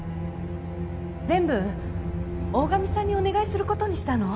全部大神さんにお願いすることにしたの。